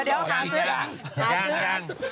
เดี๋ยวหาซื้อ